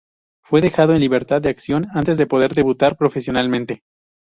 Fue dejado en libertad de acción antes de poder debutar profesionalmente.